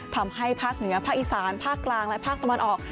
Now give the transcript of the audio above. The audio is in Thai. ทำให้ภาคเหนือภาคอีสานภาคกลางและภาคตะวันออก